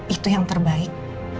itu yang terbaik